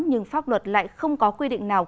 nhưng pháp luật lại không có quy định nào